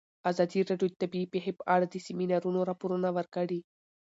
ازادي راډیو د طبیعي پېښې په اړه د سیمینارونو راپورونه ورکړي.